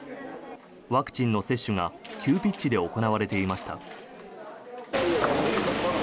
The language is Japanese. ワクチンの接種が急ピッチで行われていました。